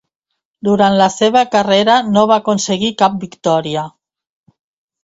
Durant la seva carrera no va aconseguir cap victòria.